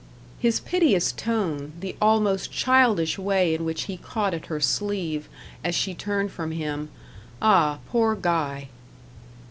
His piteous tone the almost childish way in which he caught at her sleeve, as she turned from him ah, poor Guy!